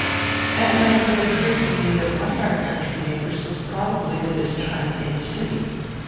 At length it occurred to me that one of our country neighbours was probably at this time in the city.